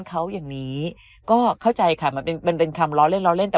เขาอย่างนี้ก็เข้าใจค่ะมันเป็นมันเป็นคำล้อเล่นล้อเล่นแต่